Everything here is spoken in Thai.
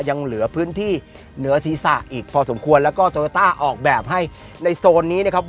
ยังเหลือพื้นที่เหนือศีรษะอีกพอสมควรแล้วก็โตโยต้าออกแบบให้ในโซนนี้นะครับ